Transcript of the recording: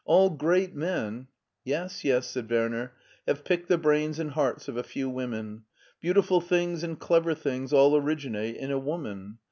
All great men "" Yes, yes," said Werner, " have picked the brains and hearts of a few women. Beautiful things and clever things all originate in a woman.